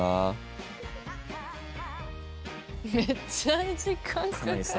めっちゃ時間かかる。